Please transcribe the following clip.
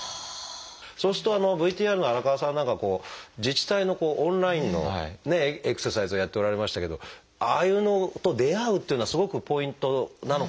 そうするとＶＴＲの荒川さんなんかは自治体のオンラインのエクササイズをやっておられましたけどああいうのと出会うというのはすごくポイントなのかなと思ったりも。